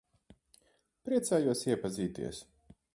Priecājos iepazīties.